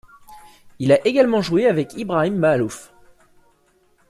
Il a également joué avec Ibrahim Maalouf.